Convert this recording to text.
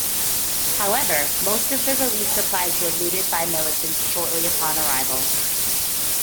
However, most of the relief supplies were looted by militants shortly upon arrival.